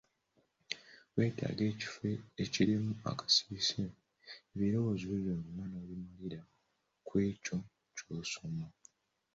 Weetaaga ekifo ekirimu akasirise, ebirowoozo byo byonna n'obimalira kw'ekyo ky'osoma.